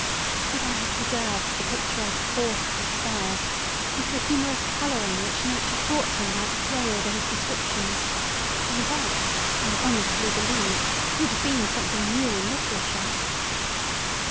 Could I have preserved the picturesque force of his style, and the humourous colouring which nature taught him how to throw over his descriptions, the result, I honestly believe, would have been something new in literature.